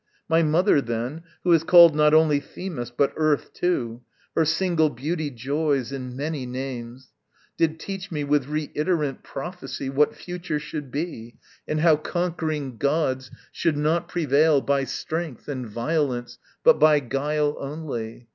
My mother, then, Who is called not only Themis but Earth too, (Her single beauty joys in many names) Did teach me with reiterant prophecy What future should be, and how conquering gods Should not prevail by strength and violence But by guile only.